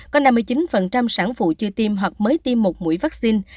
có năm mươi chín sản phụ chưa tiêm hoặc mới tiêm một mũi vaccine